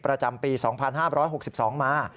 ประจำปี๒๕๖๒มา